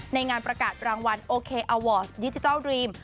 ในงานประกาศรางวัลโอเคอัลวอร์สดิจิทัลดรีม